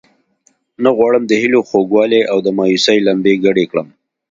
نه غواړم د هیلو خوږوالی او د مایوسۍ لمبې ګډې کړم.